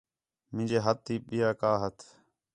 مینجے ہتھ تی ٻِیا کا ہَتھ